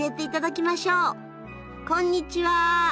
こんにちは。